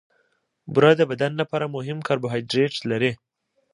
بوره د بدن لپاره مهم کاربوهایډریټ لري.